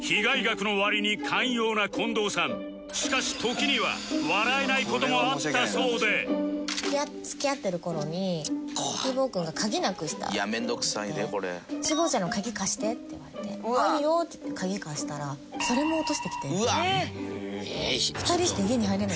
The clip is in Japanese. しかし時には笑えない事もあったそうで「ちーぼぉちゃんの鍵貸して」って言われて「いいよ」って言って鍵貸したらそれも落としてきて。